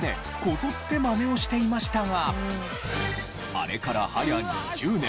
あれからはや２０年。